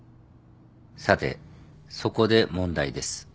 さてそこで問題です。